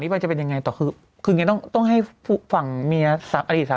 ทุบช้างเห็นไหมล่ะ